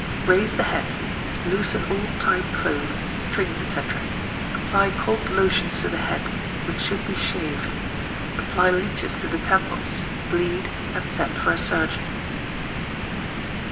Raise the head; loosen all tight clothes, strings, &c. apply cold lotions to the head, which should be shaved; apply leeches to the temples, bleed, and send for a surgeon.